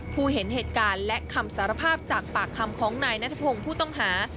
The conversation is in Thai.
เห็นเหตุการณ์และคำสารภาพจากปากคำของนายนัทพงศ์ผู้ต้องหา